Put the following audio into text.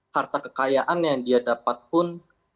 harta kekayaan yang dia dapat pun